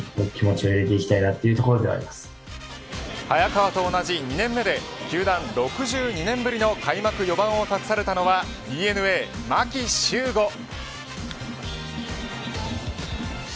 早川と同じ２年目で球団６２年ぶりの開幕４番を託されたのはＤｅＮＡ牧秀悟。